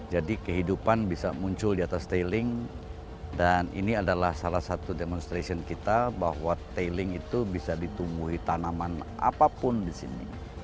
jadi kehidupan bisa muncul di atas tiling dan ini adalah salah satu demonstration kita bahwa tiling itu bisa ditumbuhi tanaman apapun di sini